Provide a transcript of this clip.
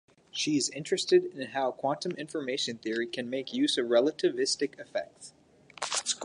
She is interested in how quantum information theory can make use of relativistic effects.